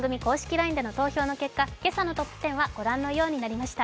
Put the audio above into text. ＬＩＮＥでの投票の結果、今朝のトップ１０は、御覧のようになりました。